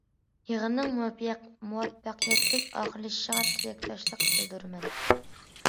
يىغىننىڭ مۇۋەپپەقىيەتلىك ئاخىرلىشىشىغا تىلەكداشلىق بىلدۈرىمەن.